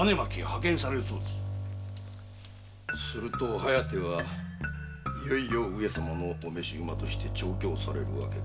すると「疾風」はいよいよ上様の御召馬として調教されるわけか。